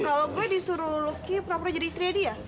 kalau gue disuruh lucky pernah pernah jadi istri dia